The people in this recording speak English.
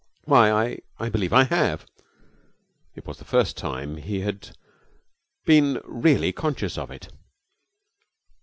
'Why, I I believe I have.' It was the first time he had been really conscious of it.